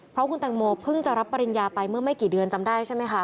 เพราะคุณแตงโมเพิ่งจะรับปริญญาไปเมื่อไม่กี่เดือนจำได้ใช่ไหมคะ